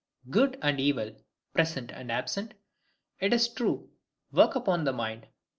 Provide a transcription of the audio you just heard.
Good and evil, present and absent, it is true, work upon the mind.